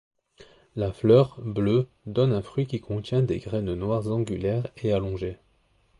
La fleur, bleue, donne un fruit qui contient des graines noires angulaires et allongées.